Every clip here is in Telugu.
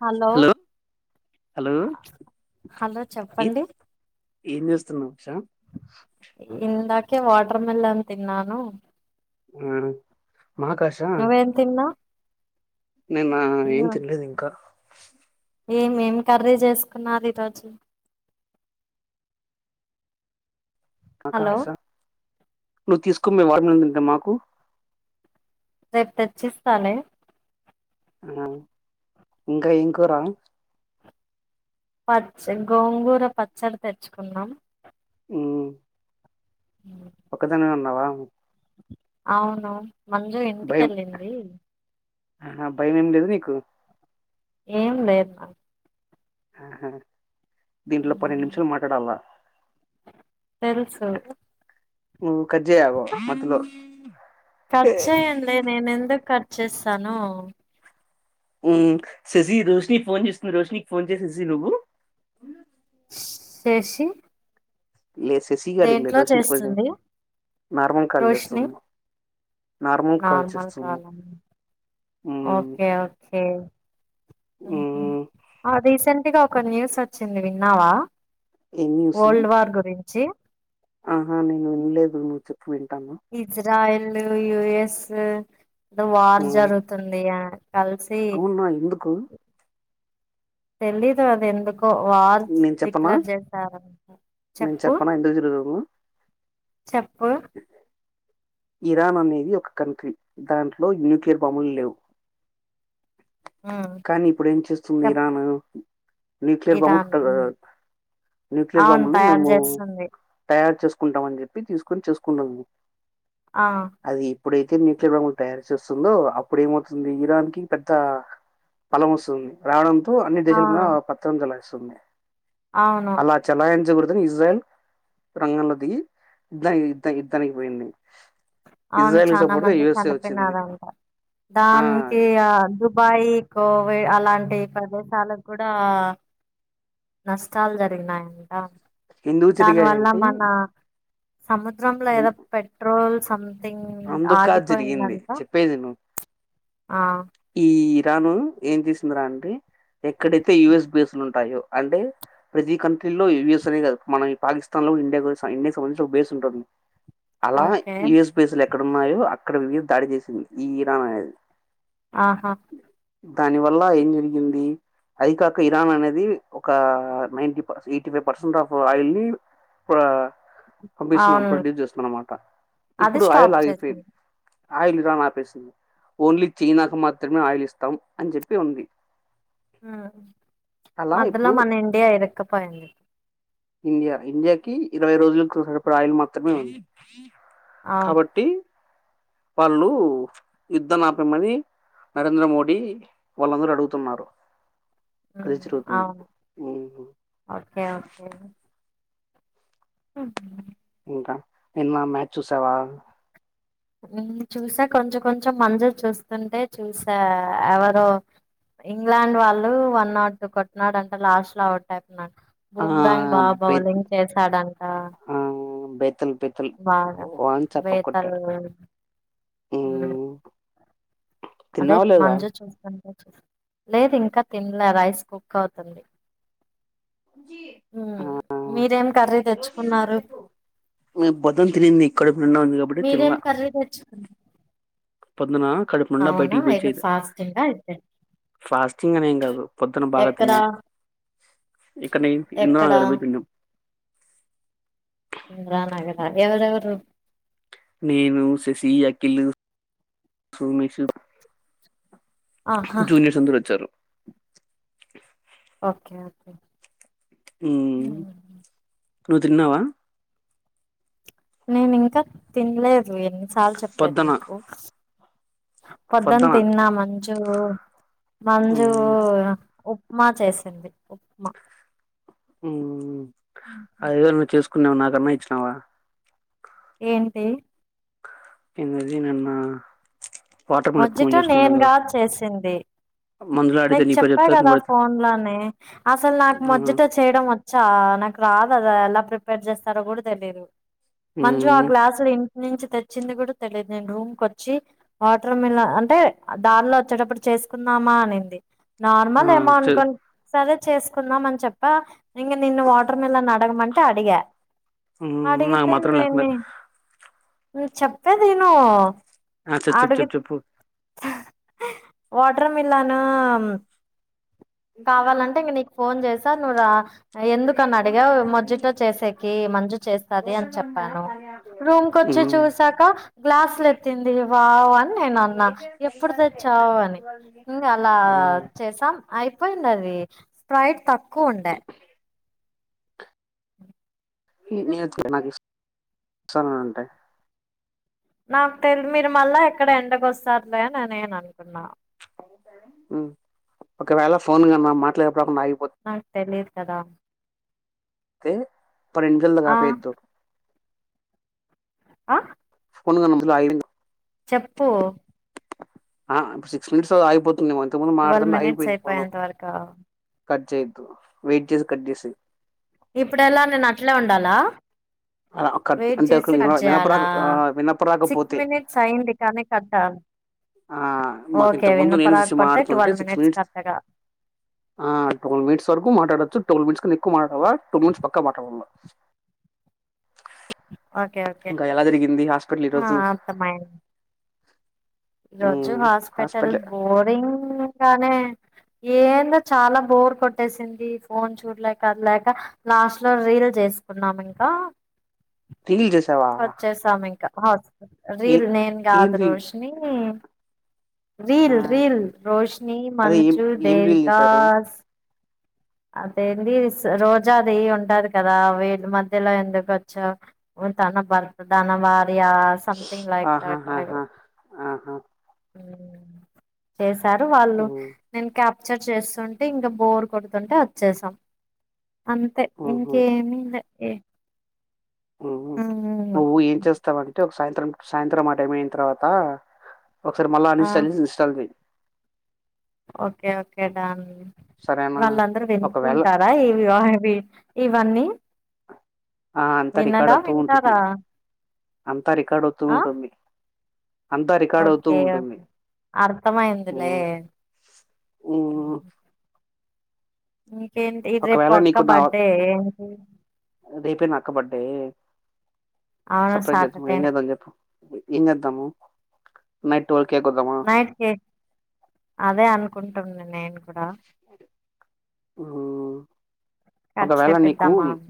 హలో హలో హలో ఏ చెప్పండి ఏం చేస్తున్నావ్ హర్షా ఇందాకే వాటర్ మిలన్ తిన్నాను ఆ మహకాష నువ్వేం తిన్నావ్ నేనా ఏం ఉమ్, తిన్లేదు ఇంకా ఏం ఏం కర్రీ చేసుకున్నారు ఈరోోజు హలో అకాశ నువ్వు తీసుకుమ్ వాటర్ మెలన తింటె మరి మాకు రేపు తెచ్చిస్తాలె అ ఇంక ఎం కూర పచ్చ గోంగూర పచ్చడి తెచ్చుకున్నాం ఉమ్ ఉమ్. ఒక్కదానివే ఉన్నావా అవును మంజు భయం ఇంటికెళ్ళింది ఆహ భయం ఏం లేదు నీకు ఏం లేద్ నాక్ ఆహ దీంట్లొ పన్నెండు నిమిషాలు మాట్లాడాల తెల్సు కజ్జా యావ మొదలు కట్ చేయన్లె నేన్ ఎందుకు వచ్చేస్తాను హు శశి రోషని ఫోన్ చేస్తుంది రోషినికి ఫోన్ చేసి శశి నువ్వు చేసి లేదు సెసీ గాడి లేదు దేంట్లో రోష కొంచెం చేస్తుంది నార్మల్ కాల్ రోషిని చేస్తుంది నార్మల్ కాల మ్మ్ ఓకే ఒకే మ్మ్ రీసెంట్ గా ఒక న్యూస్ వచ్చింది విన్నావ ఓల్డ్ వార్ గురించి ఆహ నేను విన్లేదు నువ్వు చెప్ ఇజ్రాయిల్ అండ్ యుఎస్ అద వార్ హ్మ్. జరుగుతుందిగ అవునా ఎందుకు తెలిదు అది ఎందుక్ కొ వాల్ నేను చెప్పనా? డిక్లర్ చేస్తారు నేను చెప్పు చెప్పనా ఎందుకు జరుగుతుందో? చెప్పు ఇరాన్ అనేది ఒక కంట్రీ దాంట్లో న్యూక్లియర్ బాంబులు లేవు ఉమ్ కానీ ఇప్పుడు ఏం చేస్తుంది చెప్పు ఇరాన్ న్యూక్లియర్ బాంబు ఇరాన్ ట ఉమ్ న్యూక్లియర్ అవును బాంబులు తయారు మేము చేస్తుంది తయారు చేస్ కుంటామని చెప్పి తీసుకొని చేసుకుంటద్ ఆ ఇప్పుడైతే న్యూక్లియర్ బంబులు తయారు చేస్తుందో అప్పుడు ఏమవుతుంది ఇరాన్ కి పెద్ద ఫలం వస్తుంది రావడంతో అన్ని దేశాల మీద అవును పత్రం చెల సుంది అవును అలా చెలాఇంచ్ ఇజ్రాయల్ రంగంలో దిగి ఇధానికి ఇత్త యుద్ధనీకి పోయింది అవును ఇజ్రాయెల్‌కి చాలా సపోర్ట్‌గా మంది యూఎస్ఏ వచ్చింది. చనిపోినారంట ఆ! దానికి ఆ దుబాయ్ కోవి అలాంటి ప్రదేశాలకు కూడా నష్టాలు జరిగినాయంట ఎందుకు దాని వల్ల జరిగాయంటే మన సము ఎగ్జాంపుల్ ఏదో పెట్రోల్ అందుక జరిగింది ఆగిపోయిందంట చెప్పేది ఇను ఆ ఈ ఇరాన్ ఏం చేసిందిరా అంటే ఎక్కడైతే యయుఎస్ బేస్లు ఉంటాయో అంటే ప్రతి కంట్రీ లో యయుఎస్ అనే కాదు మనం ఈ పాకిస్తాన్ లో కూడా ఇండియా ఇండియాకి సంబంధించి ఒక బేస్ ఉంటుంది అలా ఓకే యుయస్ పిలేక్కడున్నాయో అక్కడ పోయి దాడి చేసింది ఈ ఇరాన్ అనేది ఆహా దాని వల్ల ఏం జరిగింది అది కాక ఇరాన్ అనేది ఒక నైన్టీ ప eighty five percent of oil ని ప ఆ పంపిస్తున్నాం అవును ప్రొడ్యూస్ చేస్తుందన్నమాట అది ఇప్పుడు ఆయిల్ స్టాప్ ఆగిపోయింది చేసింది ఆయిల్ ఇరాన్ ఆపేసింది ఓన్లీ చైనాకు మాత్రమే ఆయిల్ ఇస్తాం అని చెప్పి ఉంది ఆ అలా మధ్యలో ఇప్పుడు మన ఇండియా ఇర్ క్కపోఇంది ఇండియా ఇండియాకి ఇరవై రోజులకు సరిపడ ఆయిల్ మాత్రమే ఉంది అవును కాబట్టి వాళ్ళు యుద్ధ నాపేయమని నరేంద్ర మోడీ వాళ్ళందరూ అడుగుతున్నారు అది జరుగుతుంది అవును ఉమ్, ఓకే ఒకే హు ద నిన్న మ్యాచ్ చూసావా చూసా కొంచెం కొంచెం మందు చూస్తుంటే చూసా ఎవరో ఇంగ్లాండ్ వాళ్ళు వన్ నాట్ టూ కొట్టినాడు అంటే లాస్ట్ లో అవుట్. ఆ, భూమరాంగ్ బా బె- బౌలింగ్ చేశాడంట ఆ, బెతల్ బెతల్ బగా వాన్ చప్ప బేతర కొట్టాడు ఉమ్, అదే తిన్నావా లేదా మంజ చూస్తంట లేదు ఇంకా తిన్లే రైస్ కుక్ అవుతుంది. మీరేం కర్రీ తెచ్చుకున్నారు ఆ, పొద్దున తినింది కడుపు నిండా ఉంది కాబట్టి మీరేం తినలా కర్రీ తెచ్చుకు. పొద్దున అక్కడి నుం బయటికి ఎగ్ బచ్ది ఫాస్టింగా అయితే ఫాస్టింగ్ అని ఏం కాదు పొద్దున బాగా ఎక్కడ తిన్నాం ఇక్కడ ఎక్కడ ఇంద్రానగర్ పోయి తిన్నాం. ఇంద్రానగరా ఎవరెవరు నేను శశి అకిిల్ సమి ఆహా జూనియర్స్ అందరు వచ్చారు ఓకే ఓకే ఆ నువ్వు తిన్నావా నేను ఇంకా తిన్లే ను ఎన్నిసార్లు చెప్పది పొద్దున మీకి పొద్దున తిన్నా మంచు మంచుగ్ ఉప్మా చేసింది ఉప్మా ఉ అదేదో నువ్వు చేసు నువ్వు నాకన్నా ఇచ్చినావా ఏంటి ఎనర్జీ నాన్న మొజ్జోటో తో నేనుకాదు చేసింది మందులో అడిగితే నేను నీ పేరు చెప్పా చెప్తారు కదా నువ్వు అడిగితే ఫోన్ లోనే అసలు నాకు మొజ్జోటో చేయడం వచ్చ. చ నాకు రాదు అది ఎలా ప్రిపేర్ చేస్తారో కూడా తెలియదు. మంజు ఆ గ్లాసులు ఎక్కడనుంచి తెచ్చింది కూడా తెలియదు నేను రూమ్ కు వచ్చి. వాటర్ మిల్ అంటే దారిలో వచ్చేటప్పుడు చేసుకుందామా అనింది. నార్మల్ ఏమో అనుకోన్నాను సరే చేసుకుందాం అని చెప్ప. ఇంకా నిన్న వాటర్ మిలన్ అడగమంటే అడిగా నాకు అడిగితే మాత్రం లేకుండా నేనే. నేను చెప్పేది విను అ చెప్ చెప్ చెప్పు వాటర్ మిలాను. కావాలంటే నేను నీకు ఫోన్ చేస్తా తన్ను రా ఎందుకని అడిగా మజ్జిగతో చేసేకి మంజు చేస్తది అని చెప్పాను రూమ్ కి వచ్చి చెప్పు చూసాక గ్లాసులు ఎత్తింది వావ్ అని నేను అన్నా ఎప్పుడు తెచ్చావు అని ఇంకా అలా చేసాం అయి ఏంది ఆది స్పైర్ట్ తక్కువ ఉండే ఈ నేను నాకు ఇ ఇస్తాంటాయి నాకు తెలియాదు మీరు మళ్ళా ఎక్కడ ఎండకు వస్తారులే అని నేను అనుకున్నా ఉ ఒకవేళ ఫోన్ కనక మాట్ల నాకు తెలియాదు కదా అయితే పరెంజల్ ఆ గాపేద్దు ఆ ఫోన్ గన్ మద్యలో ఆగిందు చెప్పు ఆ సిక్స్ మినిట్స్ ఆగిపో ఇంతకు ముందు ట్వెల్వ్ మాట్లాడుతుంటే అగి మినిట్స్ పోయింది ఫోను అయిపోయేంత వరకా కట్ చేయద్దు వెయిట్ చేసి కట్ చెసేయ్ ఇప్పుడు ఎలా నేను అట్లే ఉండాలా అలా కట్ వెయిట్ అంటే ఒక చేసి కట్ వినపరా చేయాలా సిక్స్ వినపరాకపోతే మినిట్స్ అయింది కానీ కట్టాల ఆ మాకు ఇంత ముందు నేను చూసి మారుతుంటే ట్వెల్వ్ సిక్స్ మినిట్స్ కట్టగా ఆ టువాల్ మినిట్స్ వరకు మాట్లాడచ్చు టువాల్ మినిట్స్ కన్నా ఎక్కువ మా టూ మినిట్స్ పక్కా మాట్లాడల్లా ఓకే ఓకే ఇంకా ఎలా జరిగింది హాస్పిటల్ ఆ ఈరోజు ఈ రోజు హాస్పిటల్ బోరింగ్ గానే ఏందో చాలా బోర్ కొట్టేసింది ఫోన్ చూడలేక లేక లాస్ట్ లో రీల్ చేసుకున్నాం ఇంకా రీల్ చేసావా వచ్చేసాము ఇంకా హాస్పిటల్ ఏ రీల్ నేన్ కాదు ఏంది రోషని రీల్ ఆ రీల్ రోషని అదే ఏం మంజు ఏం రీల్ చేశారు దేవికాస్ అదేంది రోజాది ఉంటది కదా వీళ్ళ మధ్యలో ఎందుకొచ్చవు తన భర్త తన వార ది ఆ సంథింగ్ లైక్ ఆహాహాహా టైగర్ ఆహా చేసి తరు వాళ్ళు హ్మ్ నేను కా చర్చ చేస్తుంటే ఇంకా బోర్ కొడు తుంటే వచ్చేసాం అంతే ఇంకేమిలే ఏ ఉహు ఉమ్ నువ్వు ఏం చేస్తావంటే ఒక సాయంత్రం సాయంత్రం ఆ టైం అయిన తర్వాత ఒకసారి మళ్ళా ఆ అన్ఇన్స్టాల్ చేసి ఇన్స్టాల్ చెయ్ ఓకే ఓకే డన్ సరేనా వాళ్ళందరు ఒకవేళ వింటుంటారా ఈవి ఈ వన్ని ఆ అంతా రికార్డు అవుతూ ఉంటుంది వింటారా అంతా రికార్డు అవుతూ ఆ ఉంటుంది. అంతా రికార్డ్ అవుతూ ఓకే ఉంటుంది. అర్థమయిందిలే హమ్ హ్మ్మ్ ఉ ఏంటి రేపు ఒకవేళ అక్క నీకు నా బర్డే సపరేట్ చేద్దాము ఏం చేద్దాం చెప్పు ఏం చేద్దాము నైట్ ట్వెల్వ్ కేక్ కోద్దామా నైట్కి అదే అనుకున టున్న నేను కూడా ఎక్కడ ఉ ఒకవేళ నీకు చేపిద్దామా అని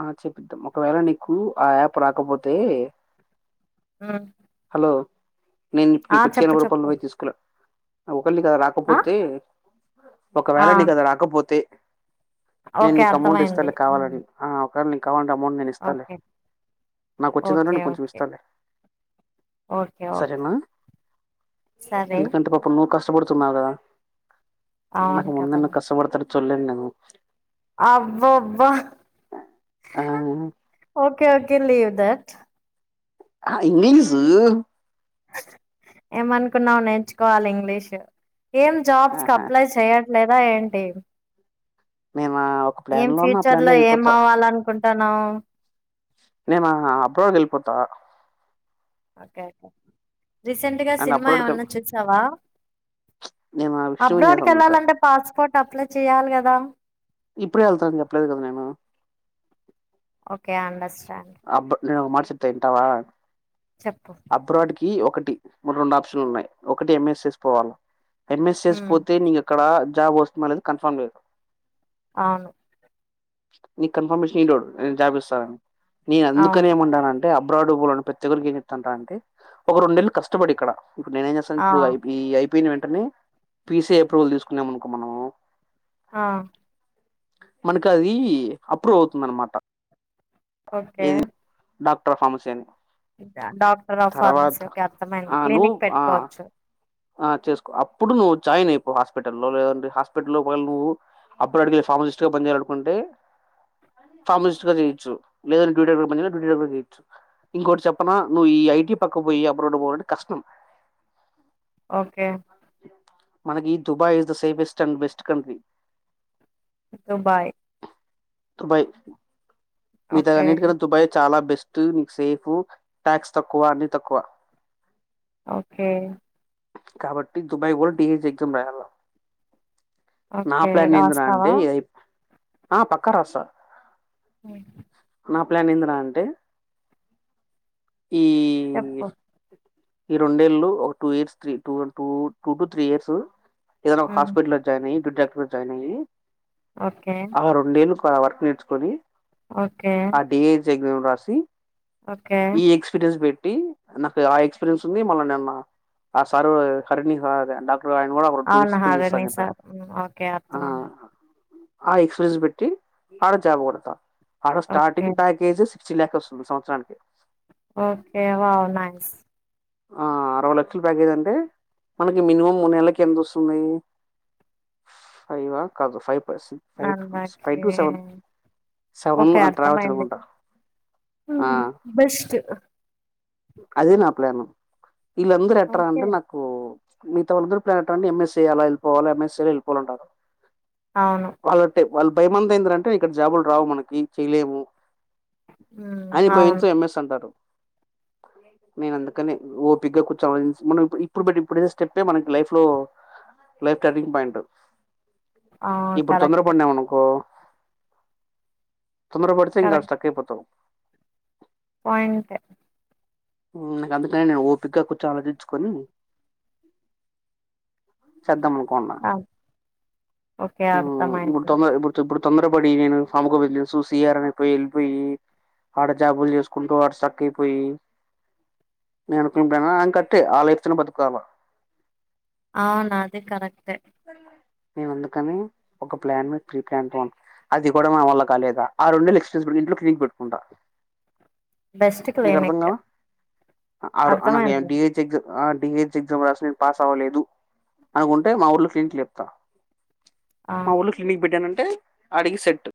ఆ చెపిద్దాం ఒకవేళ నీకు ఆ యాప్ రాకపోతే ఆ ఓ నేను ఇప్పుడు నీకు వచ్చే చెప్పు నప్పుడు చెప్పు నువ్వే తీసుకొనాయి అవు ఒకళ కద ఆ రాకపోతే ఆ ఒకవేళ నీకు రాకపోతే నేను ఓకే నీ అమౌంట్ అర్థమైంది ఇస్తాలే ఉమ్ కావాలంటే ఒక వేళ నీకు కావాలంటే అమౌంట్ నేను ఇస్తాలే ఓకే నాకు వచ్చేదాంటలో ఓకే నేను కొంచెం ఓకే ఇస్తాలే ఓకే ఓకే సరేనా సరే అ కంటపప్పున్నో కాస్ కష్టపడుతున్నారు కదా ఉన్న అవును ఉన్నత కస్తపెడుతాడు వెళ్లేందమో అబ్బో అబ్బో ఆ ఓకే ఓకేలీవ్ దట్ ఇంగ్లీషు ఉమ్ ఏమనుకున్నావు నేర్చుకోవాలి ఇంగ్లీషు ఏం జాబ్స్ కి ఆహా అప్లై చెయ్య లేదా ఏంటి నేను ఒక ప్లాన్ లో ఉన్న ప్లాన్ లో వెళ్ళిపోతా న నేను అబ్రాడ్వెళ్ళిపోతా ఓకే కే రీసెంట్ గా అండ్ సినిమా అబ్రాడ్ ఏమన్నా చూసావా. నేను విష్ణు అప్లోడ్కి విన్యాసం చూసా వెళ్లాలంటే పాస్పోర్ట్ అప్లై చెయాలి కదా ఇప్పుడే వెళ్తారు ఎప్పుడదు కదా నేను ఓకే అచ్చ సరే అబ్ నేను మాసితా ఇంటావా చెప్పు క ఒకటి మ రెండు ఆప్షన్లు ఉన్నాయి ఒకటి ఎంఎస్ చేసుకోవాలా ఎంఎస్ఎస్ హ్మ్. పోతే న అక్కడ. జాబ్ వోస్ట్ మ కన్ఫర్మ్ లేదు. అవును నీకు కన్ఫర్మేషన్ ఇడు నేను జాపిస్తాని. నేను అందుకనే అవును. ఏమన్నాన అంటే అబ్బా. బ్రాడ్ బాల్డ్ చివరికి ఏం చెప్పాడంటే ఒక రెండేళ్ళు కష్టపడి ఇక్కడ. ఇప్పుడు నేనేం చేస్తానంటే ఆ! ఇప్పుడు ఈ ఐ పి ఐ. అయిపోయిన వెంటనే పిసఐ అప్రూవల్ తీసుకునేమనుకో మనము. ఆ మనకు అది అప్రూవ్ అవుతుంది అనమాట. ఓకే ఏది doctor pharmacy doctor of pharmacy తర్వాత ఒకే అర్థమైంది ఆ నువ్వు క్లినిక్ ఆ పెట్టుకోవచ్చు. చేసుకో అప్పుడు నువ్వు జాయిన్ అయిపోవు హాస్పిటల్లోదంట హస్ట ఒక నువ్వు ఫార్సిస్ట్ గానియాలే పనిచేయచ్చు ఇంకోటి చెప్ప నువ ఈ ఐటీ పక్క పోయి అబ్రాడ్ పోవాలంటే కష్టం ఓకే మనకి Dubai is the safest and best country. Dubai Dubai మిగతా ఓకే. అన్నిటికన్నా దుబాయ చాల బెస్ట్. ఫస్ట్ సేఫ్ టాక్స్ తక్కువ అన్ని తక్కువ ఓకే. కాబట్టి దుబాయ్ కూడా డిసి ఎగ్జామ్ రాయాలా నా ఓకే. ప్లాన్ ఏంది రా రాస్తావా? అంటే ఇదై ఆ పక్క రాస్తా ఉమ్ నా ప్లాన్ ఏందిరా అంటే ఈ చెప్పు ఈ రెండేళ్ళు ఒక two years three two two three years ఏదయినా ఒక హ్మ్. హాస్పిటల్ లో జాయిన్ అయ్యి టూట జాయిన్ అయ్యి ఓకే. ఆ రెండేళ్ళు వర్క్ నేర్చుకొని ఓకే. ఆ డిఐజి ఎగ్జామ్ రాసి ఓకే. ఈ ఎక్స్పీరియన్స్ బెట్ ట్టి నాకు ఆ ఎక్స్ రియన్స్ ఉంది మల్ల నిన్నా ఆ సారు హరిని డాక్ అవునా హరిని సార్ ఓకే అర్థమైంది ఆ ఎక్స్పీరియన్స్ పెట్టి ఆడ జాబ్ కొడతా ఆడ ఓకే. స్టార్టింగ్ ప్యాకేజెస్ చి లాక్ వస్తుంది సంవత్సరానికి ఓకే వావ్ నైస్ అరవై లక్షల ప్యాకేజ్ అంటే మనకి మినిమం మూడ్ నెల్లకి ఎంత వస్తుంది ఫైవ్వ కాదు five percent five one to month కి five to seven seven okay అట్లా రావచ్చు అర్థమైంది అనుకుంటా బెస్ట్ అదినా ప్లాను వీళ్ళందరూ ఎట్ట్రా ఓకే అంటే నాకు మిగతా వాళందూ ప్లాన్ టా ఎంఎస్ చేయాలి వెళ్ళిపోవాలి ల ఎంఎస్ వెళ్ళిపోవాలంటారు అవును వాళ్ళు భయమంత ఏందంటే ఇక్కడ జాబులు రావు మనకి చెయలేము మ్మ్ అని అవును భయంతో ఎంఎస్ అంటారు నేను అందుకని ఓపిగా కూర్చోని ఆలోచించి మనం ఇప్పుడు ఇప్పుడు పెట్టే స్టెప్పే మనకి లైఫ్ లో లైఫ్ టర్నింగ్ పాయింట్ ఆ ఇప్పుడు తొందర కరెక్టే పడినాం అనుకో తొందరపడుతే ఇంకా ఆడ కరెక్ట్ స్టక్ అయిపోతాం పాయింటే నాక అందుకనే ఓపిగ్గా కూర్చొని ఆలోచించుకోని చేద్దాం అనుకోన్నా ఆ ఓకే హు ఇప్పుడు అర్థమైంది తొందర ఇప్పుడు ఇప్పుడు తొందర పడి నేను సామెకుబ తెలుూ సిఆర్ వైపు వెళ్ళిపోయి ఆడ జాబులు చేసుకుంటూ ఆడ స్ట్రక్ అయిపోయి నేనుకులు కట్ ఆలేచిన బతుకోవాల అవునా అది కరెక్ బర్ల నేను అందుకని ఒక ప్లాన్ మీ ప్రీ ప్లాన్ తోన్, అది కూడా మన వల్ల కాలేదా, ఆ రెండులు ఎక్స్పీస్ పె ఇంట్లో క్రీక్ పెట్టుకుంటా. బెస్ట్ నీకు అర్థం క్లినిక్ కలా ఆర్ ఆ నగ్ అర్థమైంది డిహెచ్ ఎగ్జ్ ఆ డిహెచ్ ఎగ్జామ్ రాసి నేను పాస్ అవ్వలేదు, అనుకుంటే మా ఊర్లో. క్లింక్ లెప్తా ఆ మా ఊల్ళు క్లినిక్ బెట్టా నన్ అడిగి సెట్